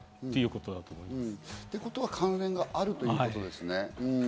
ということは関連があるということですね。